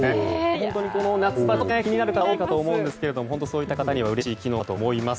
本当に夏場、気になる方が多いかと思いますけどそういった方にはうれしい機能かと思います。